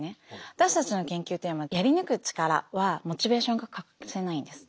私たちの研究テーマやり抜く力はモチベーションが欠かせないんです。